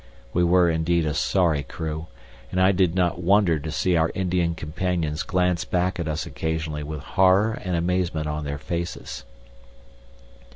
We were indeed a sorry crew, and I did not wonder to see our Indian companions glance back at us occasionally with horror and amazement on their faces.